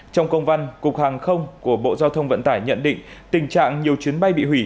trong công văn cục hàng không của bộ giao thông vận tải nhận định tình trạng nhiều chuyến bay bị hủy